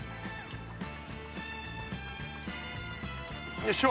よいしょ！